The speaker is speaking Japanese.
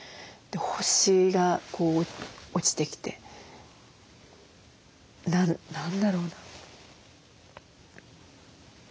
星がこう落ちてきて何だろうな。